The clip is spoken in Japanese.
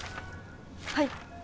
はい。